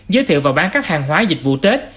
giới thiệu và bán các hàng hóa dịch vụ tết